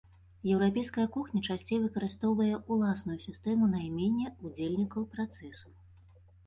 Еўрапейская кухня часцей выкарыстоўвае ўласную сістэму наймення удзельнікаў працэсу.